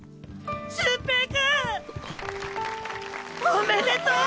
おめでとう！